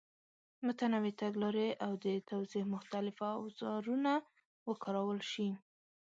متنوع تګلارې او د توضیح مختلف اوزارونه وکارول شي.